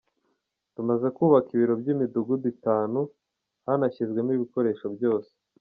Tumaze kubaka ibiro by’imidugudu itanu, hanashyizwemo ibikoresho byose.